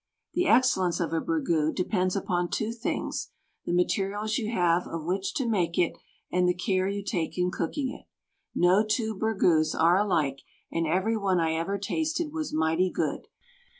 The excellence of a burgoo depends upon two things, the materials you have of which to make it and the care you take in cooking it. No two burgoos are alike, and every one I ever tasted was mighty good.